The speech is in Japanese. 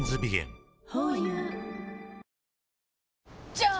じゃーん！